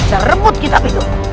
cerebut kitab itu